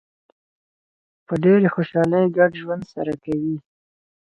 په ډېرې خوشحالۍ ګډ ژوند سره کوي.